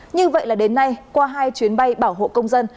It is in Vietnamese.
như vậy là đến nay qua hai chuyến bay bảo hộ công dân